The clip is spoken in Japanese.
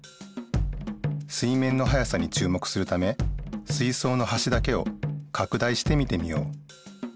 水面の速さにちゅう目するため水そうのはしだけをかく大して見てみよう。